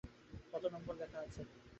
কত নম্বর লেখা আছে?